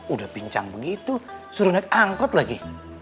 udah bincang begitu suruh naik angkot lagi